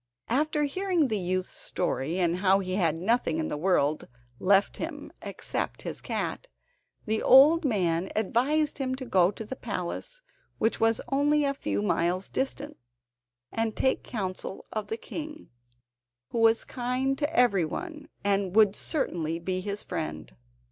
After hearing the youth's story, and how he had nothing in the world left him except his cat, the old man advised him to go to the palace, which was only a few miles distant, and take counsel of the king, who was kind to everyone, and would certainly be his friend.